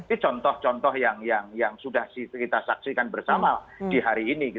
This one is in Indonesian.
ini contoh contoh yang sudah kita saksikan bersama di hari ini